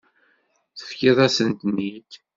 Tefkiḍ-asen-ten-id.